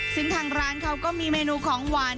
ซึ่งทางร้านเขาก็มีเมนูของหวาน